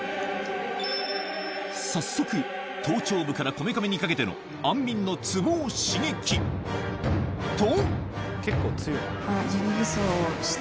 早速頭頂部からこめかみにかけての安眠のツボを刺激と！